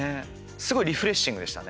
すごいリフレッシングでしたね。